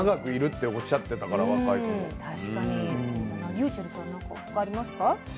ｒｙｕｃｈｅｌｌさん何か他ありますか？